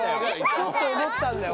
ちょっと思ったんだよ